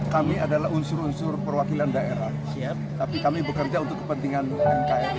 kami adalah unsur unsur perwakilan daerah siap tapi kami bekerja untuk kepentingan nkri